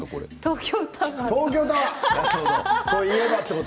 東京タワーです。